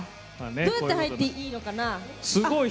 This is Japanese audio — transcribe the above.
どうやって入っていいのかな。